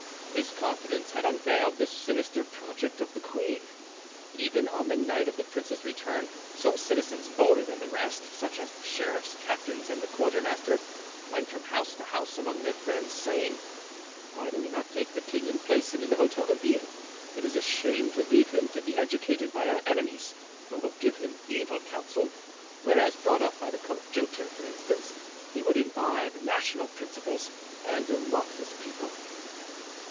His confidence had unveiled the sinister project of the queen. Even on the night of the prince's return, some citizens, bolder than the rest, such as the sheriffs, captains and the quartermaster, went from house to house among their friends, saying: "Why do we not take the king and place him in the Hotel de Ville? It is a shame to leave him to be educated by our enemies, who will give him evil counsel; whereas, brought up by the coadjutor, for instance, he would imbibe national principles and love his people."